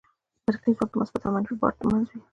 برقي ځواک د مثبت او منفي بار تر منځ وي.